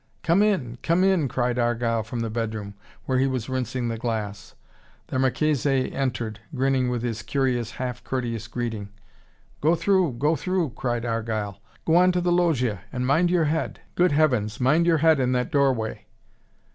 "Come in! Come in!" cried Argyle from the bedroom, where he was rinsing the glass. The Marchese entered, grinning with his curious, half courteous greeting. "Go through go through," cried Argyle. "Go on to the loggia and mind your head. Good heavens, mind your head in that doorway."